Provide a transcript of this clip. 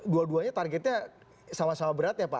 dua duanya targetnya sama sama berat ya pak